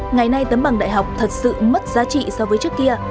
ngày nay tấm bằng đại học thật sự mất giá trị so với trước kia